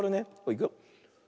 いくよ。